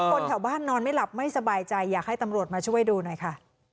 คนแถวบ้านนอนไม่หลับไม่สบายใจอยากให้ตำรวจมาช่วยดูหน่อยค่ะ